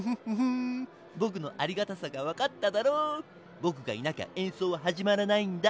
ボクがいなきゃえんそうははじまらないんだ。